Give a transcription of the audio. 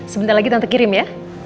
sebentar lagi nanti kirim ya